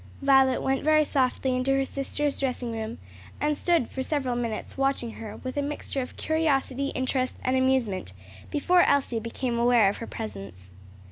Violet went very softly into her sister's dressing room and stood for several minutes watching her with a mixture of curiosity, interest and amusement, before Elsie became aware of her presence.